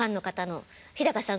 「日さん